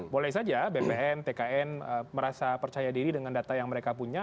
boleh saja bpn tkn merasa percaya diri dengan data yang mereka punya